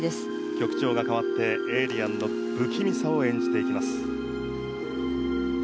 曲調が変わってエイリアンの不気味さを演じていきます。